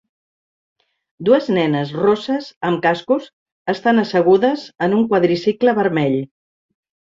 Dues nenes rosses amb cascos estan assegudes en un quadricicle vermell.